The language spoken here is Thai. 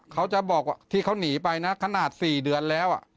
เขาจะบอกว่าที่เขาหนีไปนะขนาด๔เดือนแล้ว